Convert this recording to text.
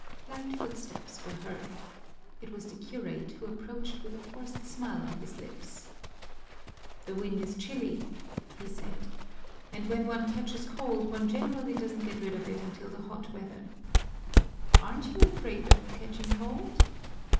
Light footsteps were heard. It was the curate, who approached with a forced smile on his lips. "The wind is chilly," he said, "and when one catches cold one generally doesn't get rid of it until the hot weather. Aren't you afraid of catching cold?"